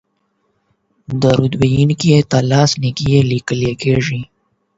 درود ویونکي ته لس نېکۍ لیکل کیږي